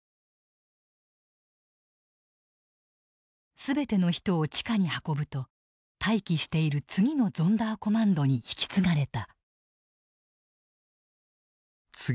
全ての人を地下に運ぶと待機している次のゾンダーコマンドに引き継がれた。